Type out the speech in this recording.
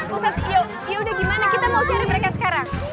ustaz yaudah gimana kita mau cari mereka sekarang